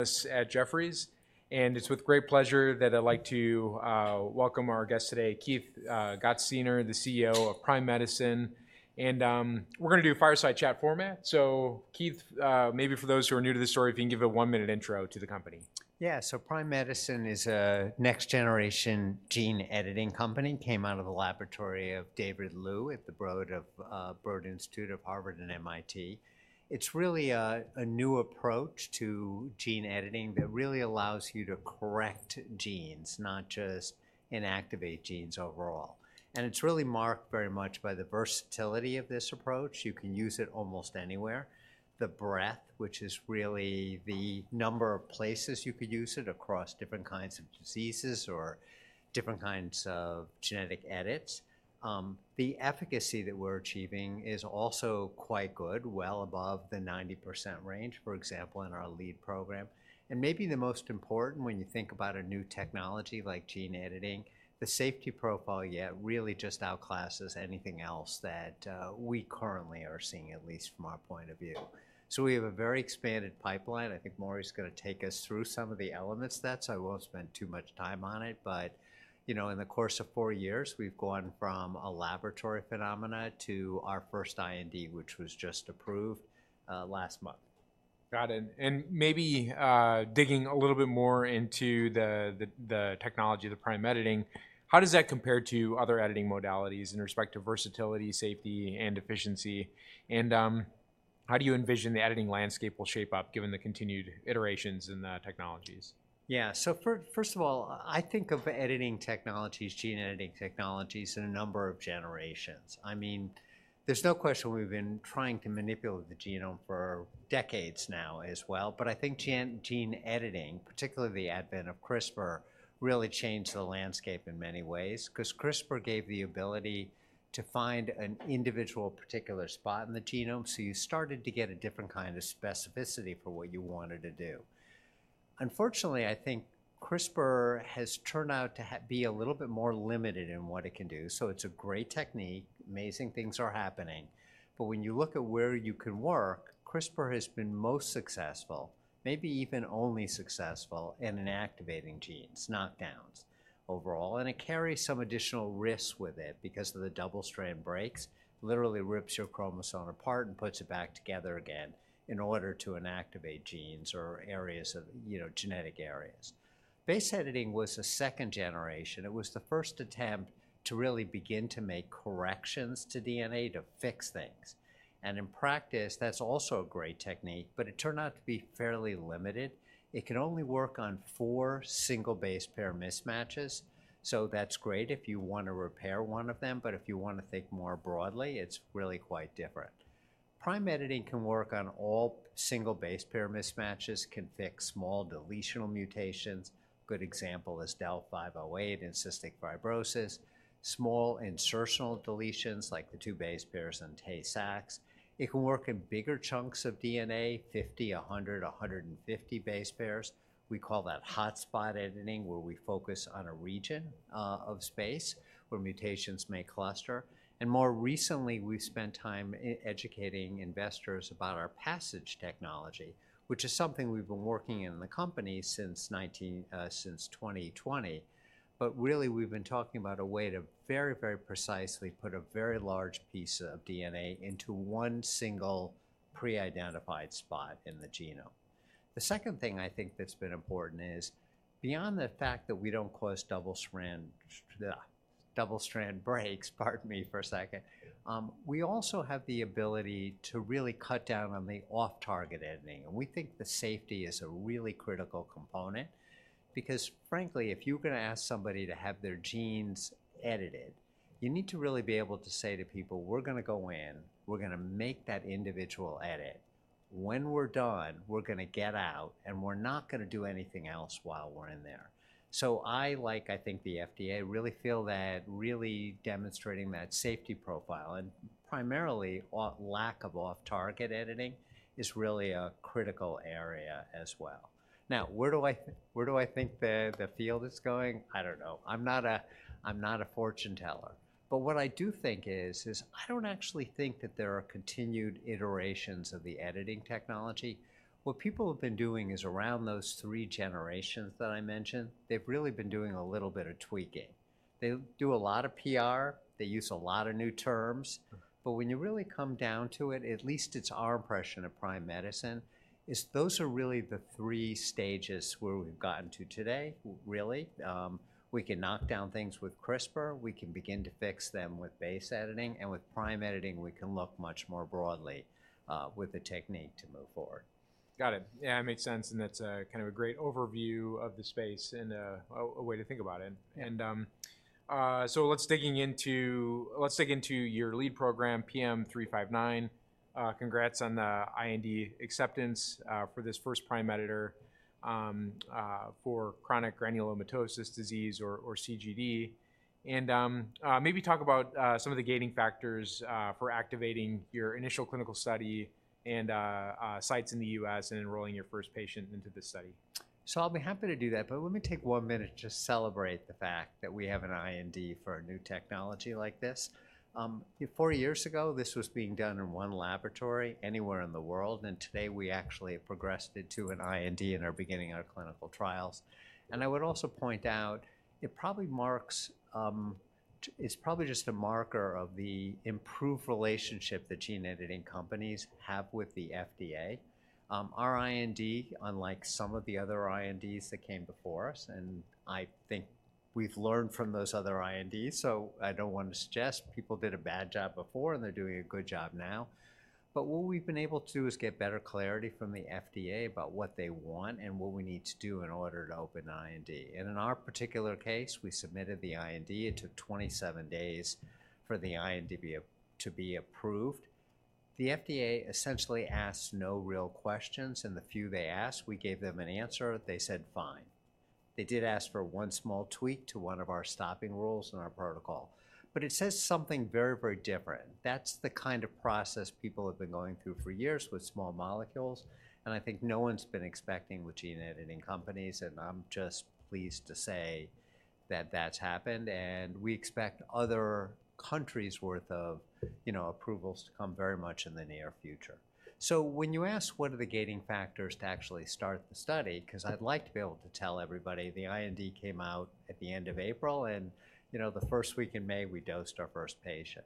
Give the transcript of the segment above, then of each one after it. us at Jefferies, and it's with great pleasure that I'd like to welcome our guest today, Keith Gottesdiener, the CEO of Prime Medicine, and, we're gonna do a fireside chat format. So Keith, maybe for those who are new to the story, if you can give a one-minute intro to the company. Yeah, so Prime Medicine is a next generation gene editing company, came out of the laboratory of David Liu at the Broad Institute of MIT and Harvard. It's really a new approach to gene editing that really allows you to correct genes, not just inactivate genes overall, and it's really marked very much by the versatility of this approach. You can use it almost anywhere. The breadth, which is really the number of places you could use it across different kinds of diseases or different kinds of genetic edits. The efficacy that we're achieving is also quite good, well above the 90% range, for example, in our lead program, and maybe the most important when you think about a new technology like gene editing, the safety profile, yeah, really just outclasses anything else that we currently are seeing, at least from our point of view. So we have a very expanded pipeline. I think Maury is gonna take us through some of the elements of that, so I won't spend too much time on it, but, you know, in the course of four years, we've gone from a laboratory phenomena to our first IND, which was just approved last month. Got it, and maybe digging a little bit more into the technology, the prime editing, how does that compare to other editing modalities in respect to versatility, safety, and efficiency? And how do you envision the editing landscape will shape up given the continued iterations in the technologies? Yeah. So first of all, I think of editing technologies, gene editing technologies in a number of generations. I mean, there's no question we've been trying to manipulate the genome for decades now as well, but I think gene editing, particularly the advent of CRISPR, really changed the landscape in many ways, 'cause CRISPR gave the ability to find an individual particular spot in the genome, so you started to get a different kind of specificity for what you wanted to do. Unfortunately, I think CRISPR has turned out to be a little bit more limited in what it can do. So it's a great technique, amazing things are happening. But when you look at where you can work, CRISPR has been most successful, maybe even only successful in inactivating genes, knockdowns overall, and it carries some additional risks with it because of the double-strand breaks, literally rips your chromosome apart and puts it back together again in order to inactivate genes or areas of, you know, genetic areas. Base editing was a second generation. It was the first attempt to really begin to make corrections to DNA, to fix things. And in practice, that's also a great technique, but it turned out to be fairly limited. It can only work on four single-base-pair mismatches, so that's great if you want to repair one of them, but if you want to think more broadly, it's really quite different. Prime editing can work on all single-base-pair mismatches, can fix small deletional mutations. Good example is Delta F508 in cystic fibrosis, small insertional deletions, like the two base pairs in Tay-Sachs. It can work in bigger chunks of DNA, 50, 100, 150 base pairs. We call that hotspot editing, where we focus on a region of space where mutations may cluster. And more recently, we've spent time educating investors about our PASSIGE technology, which is something we've been working in the company since 2019, since 2020. But really, we've been talking about a way to very, very precisely put a very large piece of DNA into one single pre-identified spot in the genome. The second thing I think that's been important is, beyond the fact that we don't cause double-strand breaks, we also have the ability to really cut down on the off-target editing, and we think the safety is a really critical component, because frankly, if you're gonna ask somebody to have their genes edited, you need to really be able to say to people, "We're gonna go in, we're gonna make that individual edit. When we're done, we're gonna get out, and we're not gonna do anything else while we're in there." So I, like I think the FDA, really feel that really demonstrating that safety profile, and primarily, lack of off-target editing is really a critical area as well. Now, where do I think the field is going? I don't know. I'm not a fortune teller, but what I do think is I don't actually think that there are continued iterations of the editing technology. What people have been doing is around those three generations that I mentioned, they've really been doing a little bit of tweaking. They do a lot of PR, they use a lot of new terms, but when you really come down to it, at least it's our impression at Prime Medicine, is those are really the three stages where we've gotten to today, really. We can knock down things with CRISPR, we can begin to fix them with base editing, and with prime editing, we can look much more broadly with the technique to move forward. Got it. Yeah, it made sense, and that's kind of a great overview of the space and a way to think about it. Yeah. Let's dig into your lead program, PM359. Congrats on the IND acceptance, for this first prime editor, for chronic granulomatous disease or, or CGD. And, maybe talk about, some of the gating factors, for activating your initial clinical study and, sites in the US and enrolling your first patient into this study.... So I'll be happy to do that, but let me take one minute to just celebrate the fact that we have an IND for a new technology like this. Four years ago, this was being done in one laboratory anywhere in the world, and today we actually have progressed into an IND and are beginning our clinical trials. And I would also point out, it probably marks, it's probably just a marker of the improved relationship that gene editing companies have with the FDA. Our IND, unlike some of the other INDs that came before us, and I think we've learned from those other INDs, so I don't want to suggest people did a bad job before, and they're doing a good job now. But what we've been able to do is get better clarity from the FDA about what they want and what we need to do in order to open IND. And in our particular case, we submitted the IND. It took 27 days for the IND to be, to be approved. The FDA essentially asked no real questions, and the few they asked, we gave them an answer. They said, "Fine." They did ask for one small tweak to one of our stopping rules in our protocol, but it says something very, very different. That's the kind of process people have been going through for years with small molecules, and I think no one's been expecting with gene editing companies, and I'm just pleased to say that that's happened, and we expect other countries' worth of, you know, approvals to come very much in the near future. So when you ask what are the gating factors to actually start the study, because I'd like to be able to tell everybody the IND came out at the end of April, and, you know, the first week in May, we dosed our first patient.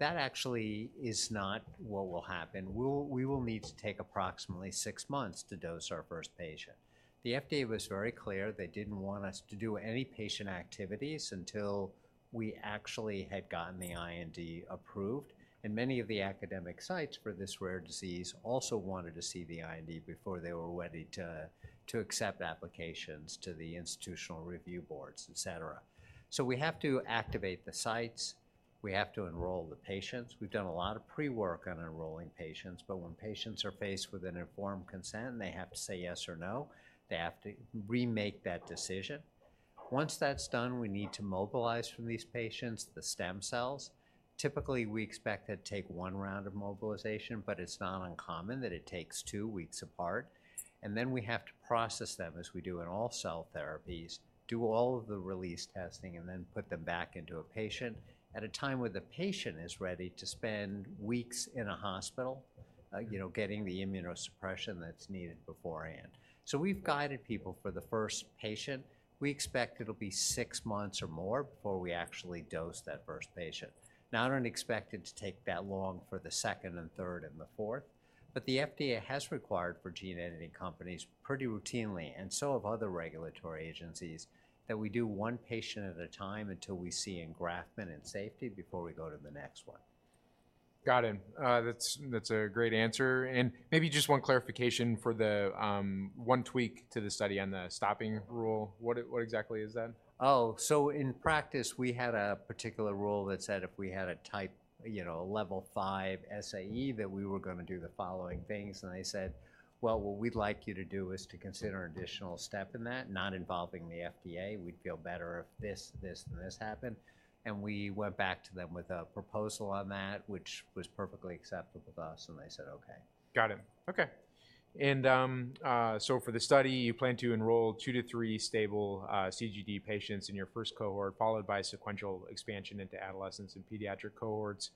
That actually is not what will happen. We will need to take approximately six months to dose our first patient. The FDA was very clear they didn't want us to do any patient activities until we actually had gotten the IND approved, and many of the academic sites for this rare disease also wanted to see the IND before they were ready to accept applications to the institutional review boards, et cetera. So we have to activate the sites. We have to enroll the patients. We've done a lot of pre-work on enrolling patients, but when patients are faced with an informed consent, and they have to say yes or no, they have to remake that decision. Once that's done, we need to mobilize from these patients the stem cells. Typically, we expect that take one round of mobilization, but it's not uncommon that it takes two weeks apart, and then we have to process them, as we do in all cell therapies, do all of the release testing, and then put them back into a patient at a time where the patient is ready to spend weeks in a hospital, you know, getting the immunosuppression that's needed beforehand. So we've guided people for the first patient. We expect it'll be six months or more before we actually dose that first patient. Now, I don't expect it to take that long for the second and third and the fourth, but the FDA has required for gene editing companies pretty routinely, and so have other regulatory agencies, that we do one patient at a time until we see engraftment and safety before we go to the next one. Got it. That's, that's a great answer, and maybe just one clarification for the one tweak to the study on the stopping rule. What exactly is that? Oh, so in practice, we had a particular rule that said if we had a type, you know, a level 5 SAE, that we were gonna do the following things, and they said, "Well, what we'd like you to do is to consider an additional step in that, not involving the FDA. We'd feel better if this, this, and this happened." And we went back to them with a proposal on that, which was perfectly acceptable to us, and they said, "Okay. Got it. Okay. And, so for the study, you plan to enroll 2-3 stable, CGD patients in your first cohort, followed by sequential expansion into adolescents and pediatric cohorts.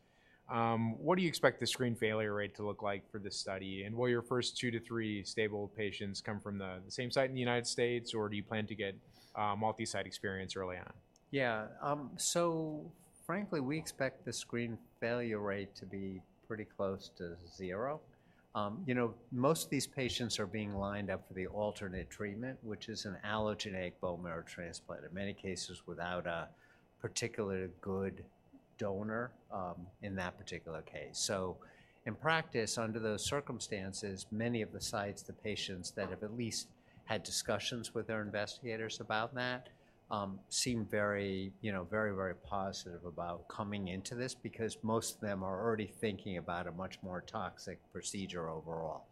What do you expect the screen failure rate to look like for this study, and will your first 2-3 stable patients come from the same site in the United States, or do you plan to get, multi-site experience early on? Yeah. So frankly, we expect the screen failure rate to be pretty close to zero. You know, most of these patients are being lined up for the alternate treatment, which is an allogeneic bone marrow transplant, in many cases without a particularly good donor, in that particular case. So in practice, under those circumstances, many of the sites, the patients that have at least had discussions with their investigators about that, seem very, you know, very, very positive about coming into this because most of them are already thinking about a much more toxic procedure overall.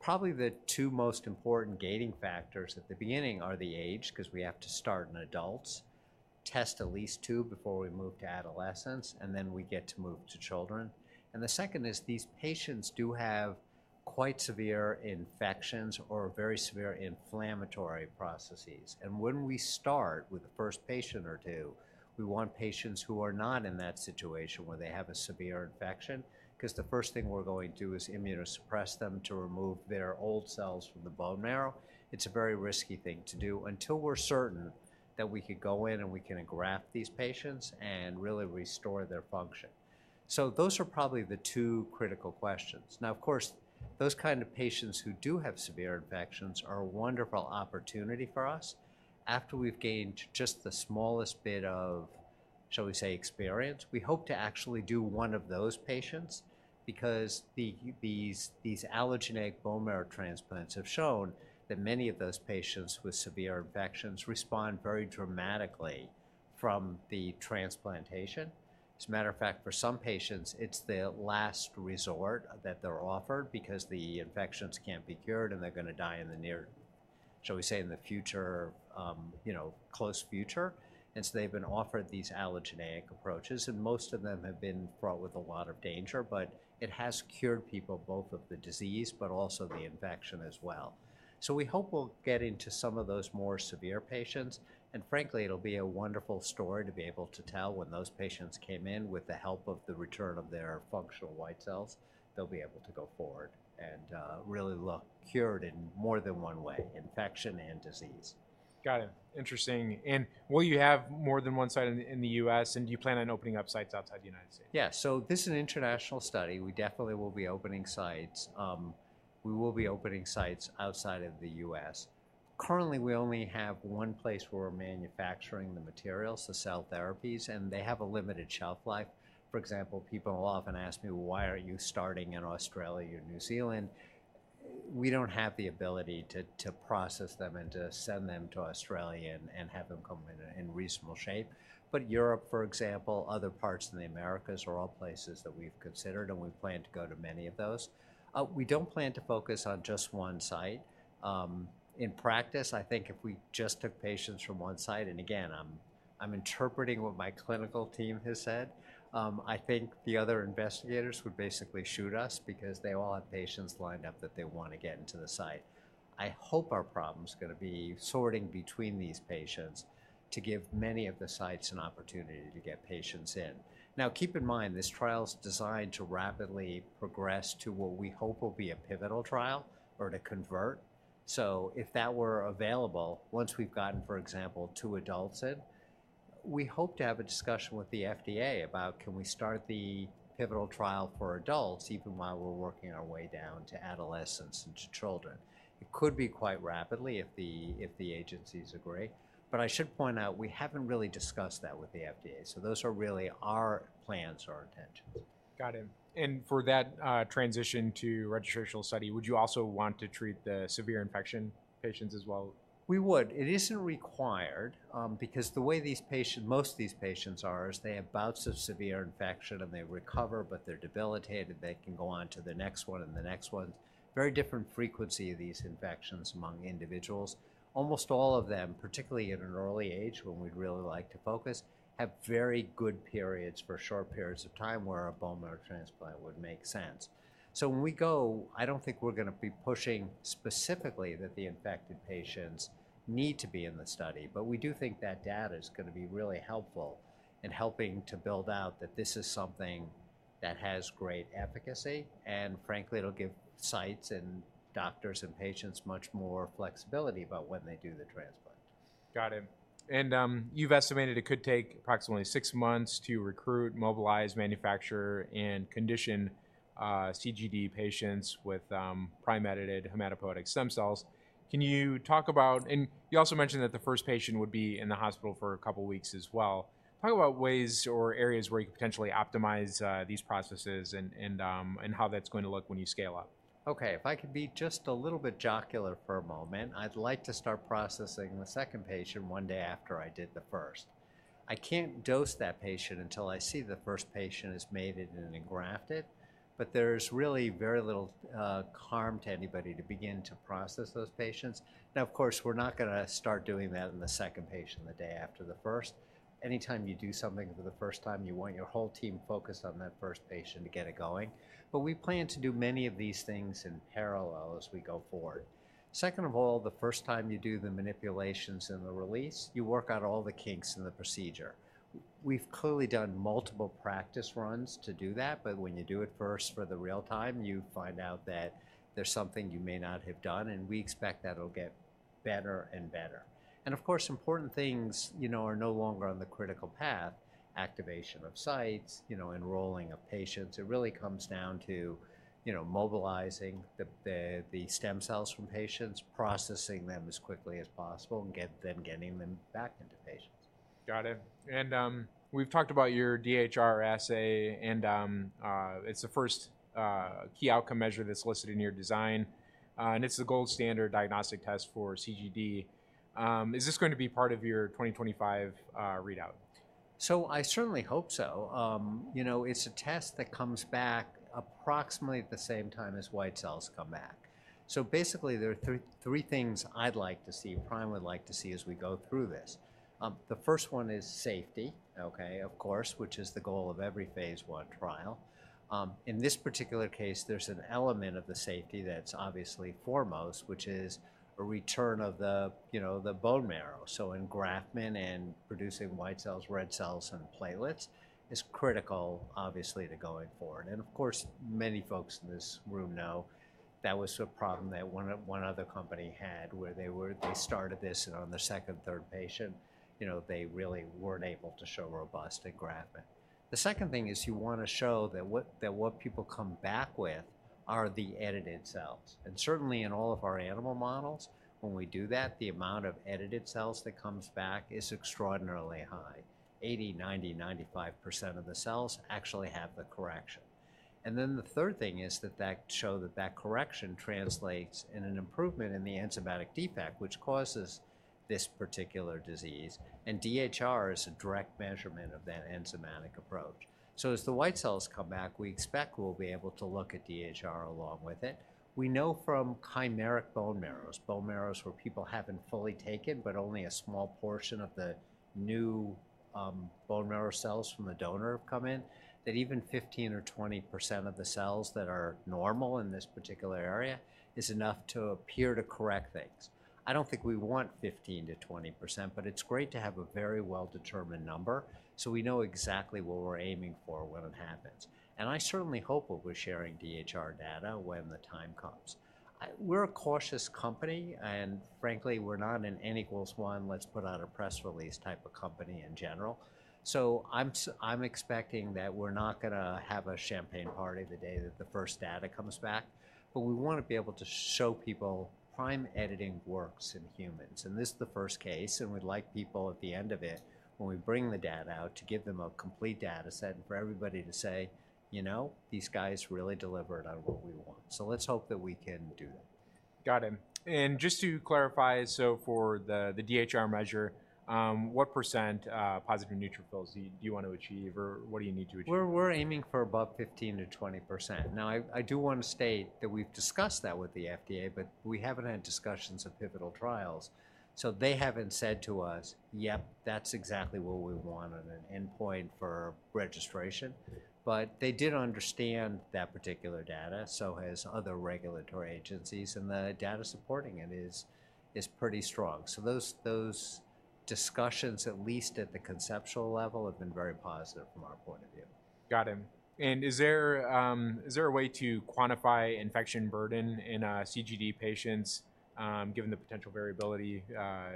Probably the two most important gating factors at the beginning are the age, because we have to start in adults, test at least two before we move to adolescents, and then we get to move to children. The second is, these patients do have quite severe infections or very severe inflammatory processes, and when we start with the first patient or two, we want patients who are not in that situation where they have a severe infection. Because the first thing we're going to do is immunosuppress them to remove their old cells from the bone marrow. It's a very risky thing to do until we're certain that we could go in, and we can engraft these patients and really restore their function. So those are probably the two critical questions. Now, of course, those kind of patients who do have severe infections are a wonderful opportunity for us. After we've gained just the smallest bit of, shall we say, experience, we hope to actually do one of those patients because these allogeneic bone marrow transplants have shown that many of those patients with severe infections respond very dramatically from the transplantation. As a matter of fact, for some patients, it's the last resort that they're offered because the infections can't be cured, and they're gonna die in the near future, shall we say, you know, close future? And so they've been offered these allogeneic approaches, and most of them have been fraught with a lot of danger, but it has cured people both of the disease, but also the infection as well. So we hope we'll get into some of those more severe patients, and frankly, it'll be a wonderful story to be able to tell when those patients came in with the help of the return of their functional white cells. They'll be able to go forward and really look cured in more than one way, infection and disease. Got it. Interesting. And will you have more than one site in the U.S., and do you plan on opening up sites outside the United States? Yeah, so this is an international study. We definitely will be opening sites. We will be opening sites outside of the US. Currently, we only have one place where we're manufacturing the materials, the cell therapies, and they have a limited shelf life. For example, people will often ask me: "Why are you starting in Australia or New Zealand?" We don't have the ability to process them and to send them to Australia and have them come in reasonable shape. But Europe, for example, other parts in the Americas, are all places that we've considered, and we plan to go to many of those. We don't plan to focus on just one site. In practice, I think if we just took patients from one site, and again, I'm interpreting what my clinical team has said, I think the other investigators would basically shoot us because they all have patients lined up that they want to get into the site. I hope our problem's gonna be sorting between these patients to give many of the sites an opportunity to get patients in. Now, keep in mind, this trial's designed to rapidly progress to what we hope will be a pivotal trial or to convert. So if that were available, once we've gotten, for example, two adults in, we hope to have a discussion with the FDA about, can we start the pivotal trial for adults, even while we're working our way down to adolescents and to children? It could be quite rapidly if the, if the agencies agree, but I should point out, we haven't really discussed that with the FDA. So those are really our plans, our intentions. Got it. For that transition to registrational study, would you also want to treat the severe infection patients as well? We would. It isn't required, because the way these patients—most of these patients are is they have bouts of severe infection, and they recover, but they're debilitated. They can go on to the next one and the next one. Very different frequency of these infections among individuals. Almost all of them, particularly at an early age, when we'd really like to focus, have very good periods for short periods of time where a bone marrow transplant would make sense. So when we go, I don't think we're gonna be pushing specifically that the infected patients need to be in the study, but we do think that data is gonna be really helpful in helping to build out that this is something that has great efficacy. Frankly, it'll give sites and doctors and patients much more flexibility about when they do the transplant. Got it. And you've estimated it could take approximately six months to recruit, mobilize, manufacture, and condition CGD patients with prime-edited hematopoietic stem cells. Can you talk about... And you also mentioned that the first patient would be in the hospital for a couple of weeks as well. Talk about ways or areas where you could potentially optimize these processes and how that's going to look when you scale up. Okay, if I could be just a little bit jocular for a moment, I'd like to start processing the second patient one day after I did the first. I can't dose that patient until I see the first patient is mated and engrafted, but there's really very little harm to anybody to begin to process those patients. Now, of course, we're not gonna start doing that in the second patient, the day after the first. Anytime you do something for the first time, you want your whole team focused on that first patient to get it going. But we plan to do many of these things in parallel as we go forward. Second of all, the first time you do the manipulations and the release, you work out all the kinks in the procedure. We've clearly done multiple practice runs to do that, but when you do it first for the real time, you find out that there's something you may not have done, and we expect that it'll get better and better. And of course, important things, you know, are no longer on the critical path, activation of sites, you know, enrolling of patients. It really comes down to, you know, mobilizing the stem cells from patients, processing them as quickly as possible, and then getting them back into patients. Got it. And, we've talked about your DHR assay, and, it's the first, key outcome measure that's listed in your design, and it's the gold standard diagnostic test for CGD. Is this going to be part of your 2025 readout? So I certainly hope so. You know, it's a test that comes back approximately at the same time as white cells come back. So basically, there are three things I'd like to see, Prime would like to see as we go through this. The first one is safety, okay, of course, which is the goal of every Phase I trial. In this particular case, there's an element of the safety that's obviously foremost, which is a return of the, you know, the bone marrow. So engraftment and producing white cells, red cells, and platelets is critical, obviously, to going forward. And of course, many folks in this room know that was a problem that one other company had, where they started this, and on their second, third patient, you know, they really weren't able to show robust engraftment. The second thing is, you wanna show that what people come back with are the edited cells. And certainly, in all of our animal models, when we do that, the amount of edited cells that comes back is extraordinarily high. 80, 90, 95% of the cells actually have the correction. And then the third thing is that that show that that correction translates in an improvement in the enzymatic defect, which causes this particular disease, and DHR is a direct measurement of that enzymatic approach. So as the white cells come back, we expect we'll be able to look at DHR along with it. We know from chimeric bone marrows, bone marrows where people haven't fully taken, but only a small portion of the new, bone marrow cells from the donor have come in, that even 15% or 20% of the cells that are normal in this particular area is enough to appear to correct things. I don't think we want 15%-20%, but it's great to have a very well-determined number, so we know exactly what we're aiming for when it happens, and I certainly hope that we're sharing DHR data when the time comes. We're a cautious company, and frankly, we're not an N=1, let's put out a press release type of company in general. So I'm expecting that we're not gonna have a champagne party the day that the first data comes back, but we wanna be able to show people prime editing works in humans, and this is the first case, and we'd like people at the end of it, when we bring the data out, to give them a complete data set and for everybody to say, "You know, these guys really delivered on what we want." So let's hope that we can do that. Got it. And just to clarify, so for the DHR measure, what percent positive neutrophils do you want to achieve or what do you need to achieve? We're aiming for above 15%-20%. Now, I do want to state that we've discussed that with the FDA, but we haven't had discussions of pivotal trials, so they haven't said to us, "Yep, that's exactly what we want on an endpoint for registration." But they did understand that particular data, so has other regulatory agencies, and the data supporting it is pretty strong. So those discussions, at least at the conceptual level, have been very positive from our point of view. Got it. And is there a way to quantify infection burden in CGD patients, given the potential variability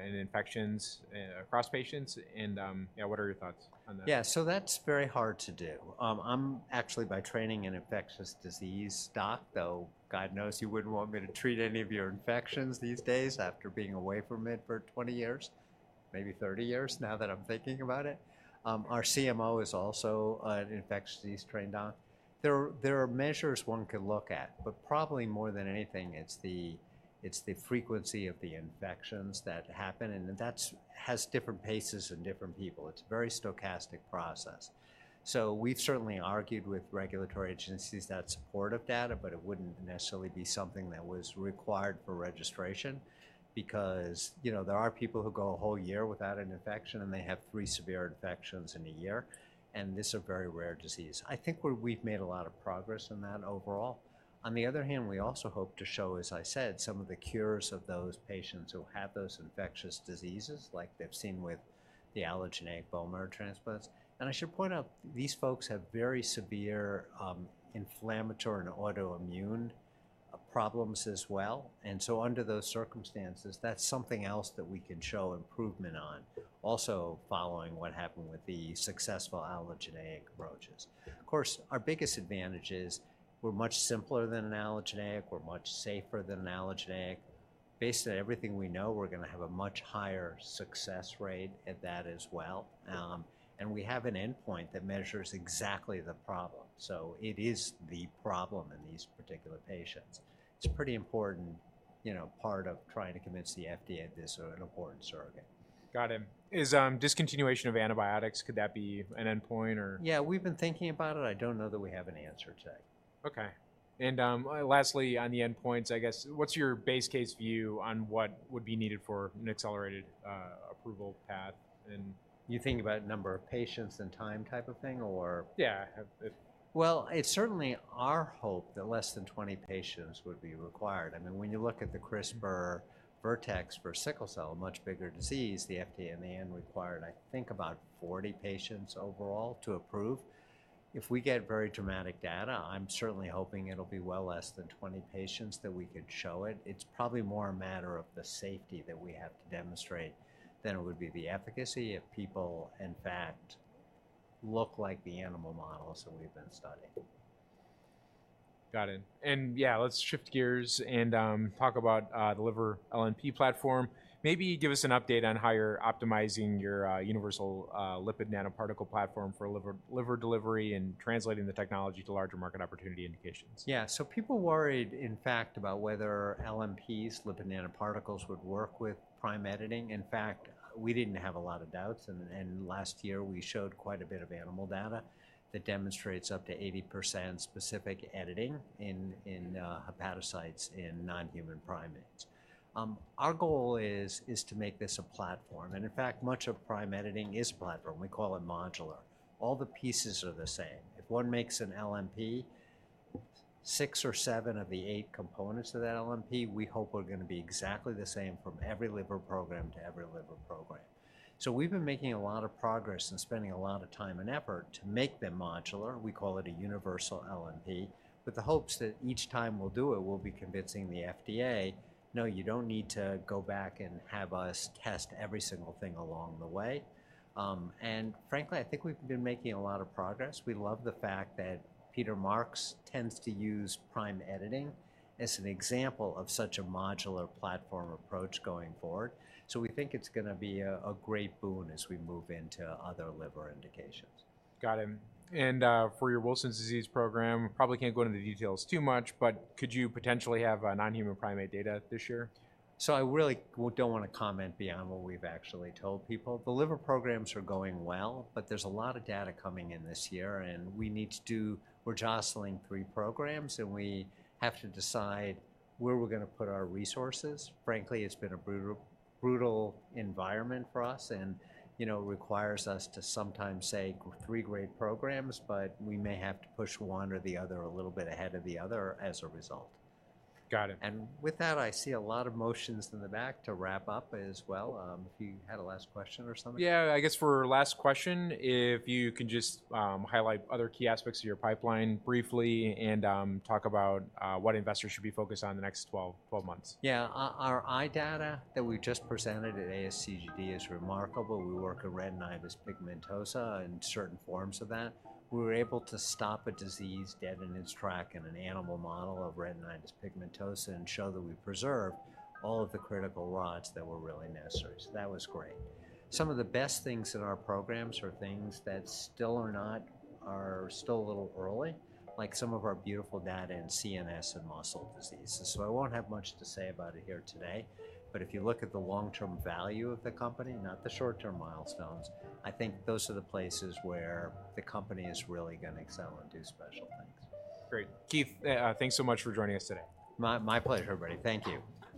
in infections across patients, and yeah, what are your thoughts on that? Yeah, so that's very hard to do. I'm actually by training an infectious disease doc, though God knows you wouldn't want me to treat any of your infections these days after being away from it for 20 years, maybe 30 years, now that I'm thinking about it. Our CMO is also an infectious disease trained doc. There are measures one could look at, but probably more than anything, it's the frequency of the infections that happen, and that's has different paces in different people. It's a very stochastic process. So we've certainly argued with regulatory agencies that supportive data, but it wouldn't necessarily be something that was required for registration because, you know, there are people who go a whole year without an infection, and they have 3 severe infections in a year, and this is a very rare disease. I think we've made a lot of progress in that overall. On the other hand, we also hope to show, as I said, some of the cures of those patients who have those infectious diseases, like they've seen with the allogeneic bone marrow transplants. And I should point out, these folks have very severe, inflammatory and autoimmune, problems as well, and so under those circumstances, that's something else that we can show improvement on, also following what happened with the successful allogeneic approaches. Of course, our biggest advantage is we're much simpler than an allogeneic, we're much safer than an allogeneic. Based on everything we know, we're gonna have a much higher success rate at that as well. And we have an endpoint that measures exactly the problem, so it is the problem in these particular patients. It's a pretty important, you know, part of trying to convince the FDA this is an important surrogate. Got it. Is discontinuation of antibiotics, could that be an endpoint or- Yeah, we've been thinking about it. I don't know that we have an answer today. Okay. And lastly, on the endpoints, I guess, what's your base case view on what would be needed for an accelerated approval path, and- You think about number of patients and time type of thing or? Yeah, if- Well, it's certainly our hope that less than 20 patients would be required. I mean, when you look at the CRISPR/Vertex for sickle cell, a much bigger disease, the FDA in the end required, I think, about 40 patients overall to approve. If we get very dramatic data, I'm certainly hoping it'll be well less than 20 patients that we could show it. It's probably more a matter of the safety that we have to demonstrate than it would be the efficacy if people, in fact, look like the animal models that we've been studying. Got it, and yeah, let's shift gears and talk about the liver LNP platform. Maybe give us an update on how you're optimizing your universal lipid nanoparticle platform for liver delivery and translating the technology to larger market opportunity indications. Yeah, so people worried, in fact, about whether LNPs, lipid nanoparticles, would work with prime editing. In fact, we didn't have a lot of doubts, and last year, we showed quite a bit of animal data that demonstrates up to 80% specific editing in hepatocytes in non-human primates. Our goal is to make this a platform, and in fact, much of prime editing is platform. We call it modular. All the pieces are the same. If one makes an LNP, six or seven of the eight components of that LNP we hope are gonna be exactly the same from every liver program to every liver program. So we've been making a lot of progress and spending a lot of time and effort to make them modular, we call it a universal LNP, with the hopes that each time we'll do it, we'll be convincing the FDA, "No, you don't need to go back and have us test every single thing along the way." And frankly, I think we've been making a lot of progress. We love the fact that Peter Marks tends to use prime editing as an example of such a modular platform approach going forward. So we think it's gonna be a, a great boon as we move into other liver indications. Got it. And, for your Wilson's disease program, probably can't go into the details too much, but could you potentially have a non-human primate data this year? So I really don't wanna comment beyond what we've actually told people. The liver programs are going well, but there's a lot of data coming in this year, and we need to do... We're juggling three programs, and we have to decide where we're gonna put our resources. Frankly, it's been a brutal, brutal environment for us, and, you know, it requires us to sometimes say, "Three great programs, but we may have to push one or the other a little bit ahead of the other as a result. Got it. With that, I see a lot of motions in the back to wrap up as well. If you had a last question or something? Yeah, I guess for a last question, if you could just highlight other key aspects of your pipeline briefly and talk about what investors should be focused on in the next 12, 12 months? Yeah, our eye data that we just presented at ASGCT is remarkable. We work with retinitis pigmentosa and certain forms of that. We were able to stop a disease dead in its track in an animal model of retinitis pigmentosa and show that we preserved all of the critical rods that were really necessary, so that was great. Some of the best things in our programs are things that still are not, are still a little early, like some of our beautiful data in CNS and muscle diseases, so I won't have much to say about it here today. But if you look at the long-term value of the company, not the short-term milestones, I think those are the places where the company is really gonna excel and do special things. Great. Keith, thanks so much for joining us today. My pleasure, everybody. Thank you.